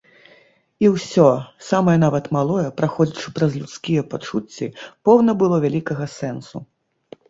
І ўсё, самае нават малое, праходзячы праз людскія пачуцці, поўна было вялікага сэнсу.